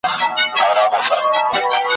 آس په زین او په سورلیو ښه ښکاریږي ,